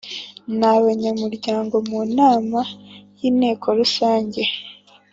n abanyamuryango mu nama y Inteko Rusange